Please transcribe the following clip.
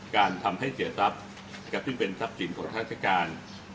การทำให้เสียทรัพย์ซึ่งเป็นทรัพย์สินของราชการ